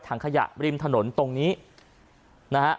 ถังขยะริมถนนตรงนี้นะฮะ